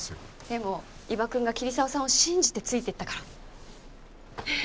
でも伊庭くんが桐沢さんを信じてついていったから。